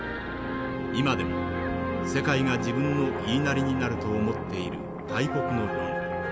今でも世界が自分の言いなりになると思っている大国の論理。